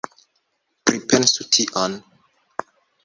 Pripensu tion!